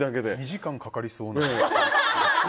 ２時間、かかりそうな。